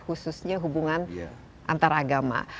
khususnya hubungan antaragama